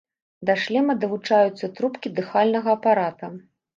Да шлема далучаюцца трубкі дыхальнага апарата.